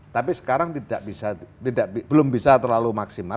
tapi sekarang belum bisa terlalu maksimal